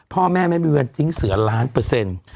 พ่อแม่ไม่มีวันทิ้งเสือล้านเปอร์เซ็นต์